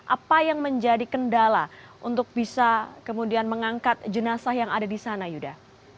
apa yang menjadi kendala untuk bisa kemudian mengangkat jenazah yang ada di sana yuda